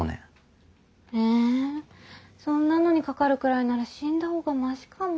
えそんなのにかかるくらいなら死んだほうがマシかも。